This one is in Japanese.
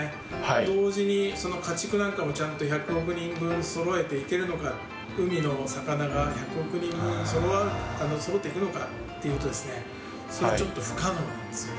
同時にその家畜なんかもちゃんと１００億人分そろえていけるのか、海の魚が１００億人分そろっていくのかということは、それはちょっと不可能なんですよね。